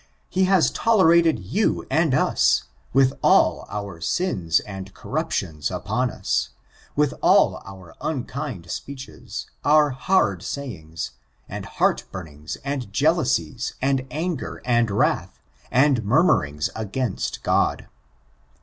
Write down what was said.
He has tolerated you and us, with all our sins and corruptions upon us; with all our unkind speeches, and hard sayings, and heart burnings, and jealousies, and anger, and wrath, and murmurings against God.